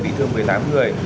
vị thương một mươi tám người